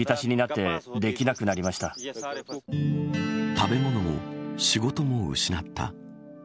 食べ物も仕事も失った。